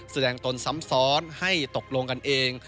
ตนซ้ำซ้อนให้ตกลงกันเอง